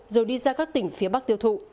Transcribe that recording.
rồi đi ra các tỉnh phía bắc tiêu thụ